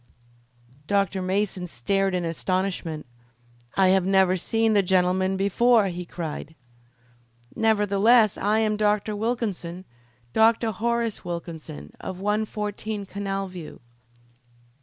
Dr. Mason stared in astonishment. "I have never seen the gentleman before!" he cried. "Nevertheless I am Dr. Wilkinson Dr. Horace Wilkinson, of 114 Canal View."